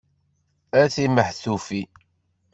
A timehtufin!